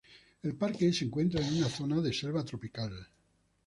El parque se encuentra en una zona de selva tropical.